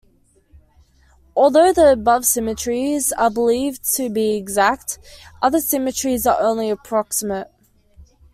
Although the above symmetries are believed to be exact, other symmetries are only approximate.